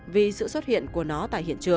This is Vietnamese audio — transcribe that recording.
vì sự xuất hiện của nó